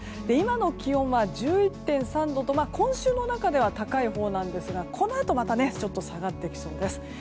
今の気温は１１．３度と今週の中では高いほうなんですがこのあとまたちょっと下がってきそうです。